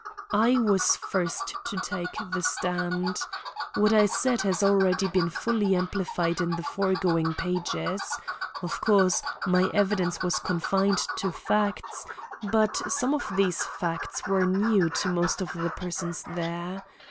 I was first to take the stand. What I said has already been fully amplified in the foregoing pages. Of course, my evidence was confined to facts, but some of these facts were new to most of the persons there.